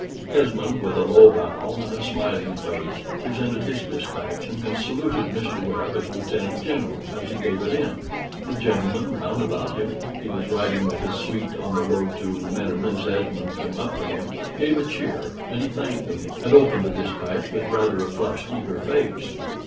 Esmond, with a low bow and a smiling face, presented his despatch, and saluted Mr. Webb as Lieutenant General, as he gave it in. The gentlemen round about him he was riding with his suite on the road to Menin as Esmond came up with him gave a cheer, and he thanked them, and opened the despatch with rather a flushed, eager face.